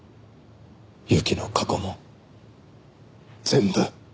侑希の過去も全部。